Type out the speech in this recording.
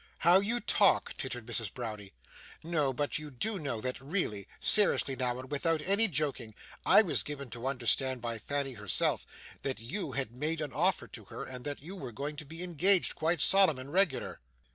'How you talk!' tittered Mrs. Browdie. 'No, but do you know that really seriously now and without any joking I was given to understand by Fanny herself, that you had made an offer to her, and that you two were going to be engaged quite solemn and regular.